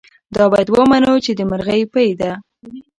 دا باید ومنو چې د مرغۍ پۍ ده.